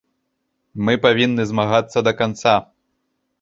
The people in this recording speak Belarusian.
Мы павінны змагацца да канца.